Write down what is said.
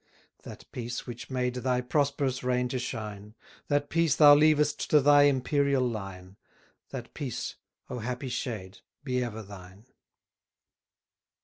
That peace which made thy prosperous reign to shine, That peace thou leavest to thy imperial line, That peace, oh, happy shade, be ever thine!